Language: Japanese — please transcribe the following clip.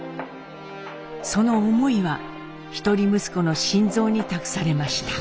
その思いは一人息子の新造に託されました。